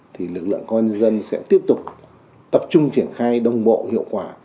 thì lực lượng công an dân sẽ tiếp tục tập trung triển khai đồng bộ hiệu quả